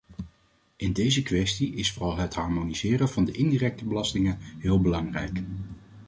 In deze kwestie is vooral het harmoniseren van de indirecte belasting heel belangrijk.